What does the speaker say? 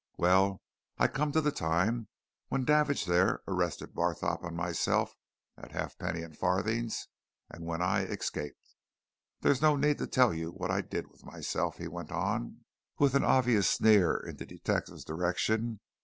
"Well, I come to the time when Davidge there arrested Barthorpe and myself at Halfpenny and Farthing's, and when I escaped. There's no need to tell you what I did with myself," he went on, with an obvious sneer in the detective's direction.